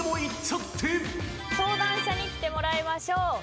相談者に来てもらいましょう。